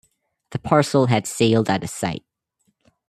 The parcel had sailed out of sight.